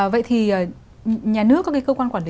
vậy thì nhà nước các cơ quan quản lý